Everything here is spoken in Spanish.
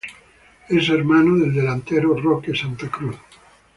Es hermano del delantero Roque Santa Cruz.